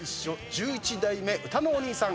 １１代目歌のお兄さん